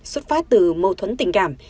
xuất phát từ mâu thuẫn tình cảm